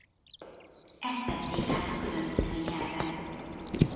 Ezt vették át a különböző nyelvek.